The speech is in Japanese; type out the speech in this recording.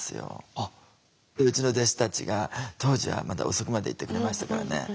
うちの弟子たちが当時はまだ遅くまでいてくれましたからね。